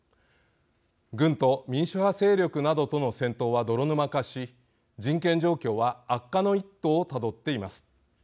軍と民主派勢力などとの戦闘は泥沼化し人権状況は悪化の一途をたどっています。